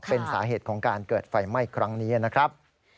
เป็นสาเหตุของการเกิดไฟไหม้ครั้งนี้นะครับ